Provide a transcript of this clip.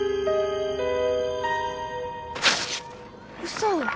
嘘？